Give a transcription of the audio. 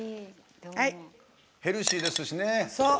ヘルシーですしね。